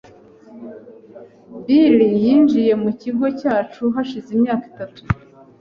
Bill yinjiye mu kigo cyacu hashize imyaka itatu .